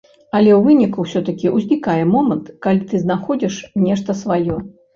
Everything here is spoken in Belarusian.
Але ў выніку ўсё-такі ўзнікае момант, калі ты знаходзіш нешта сваё.